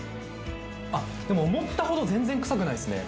あでも思ったほど全然臭くないですね